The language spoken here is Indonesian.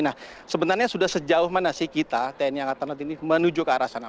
nah sebenarnya sudah sejauh mana sih kita tni angkatan laut ini menuju ke arah sana